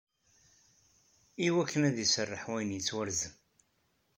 “Iwakken ad iserreḥ wayen yettwarzen."